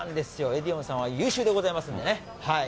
エディオンさんは優秀でございますんでね。